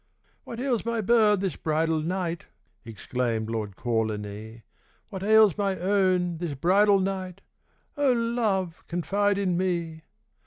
'What ails my bird this bridal night,' Exclaimed Lord Kawlinee; 'What ails my own this bridal night O love, confide in me!